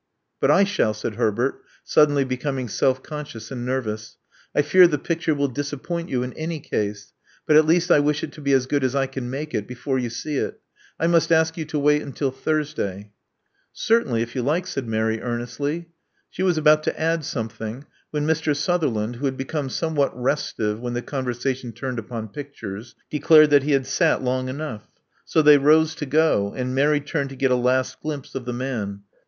" "But I shall," said Herbert, suddenly becoming self conscious and nervous. I fear the picture will disappoint you in any case; but at least I wish it to be as good as I can make it, before you see it. I must ask you to wait until Thursday." Certainly, if you like," said Mary earnestly. She was about to add something, when Mr. Sutherland, who had become somewhat restive when the conversa tion turned upon pictures, declared that he had sat long enough. So they rose to go ; and Mary turned to get a last glimpse of the man.